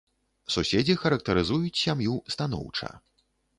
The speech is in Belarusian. Суседзі характарызуюць сям'ю станоўча.